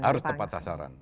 harus tepat sasaran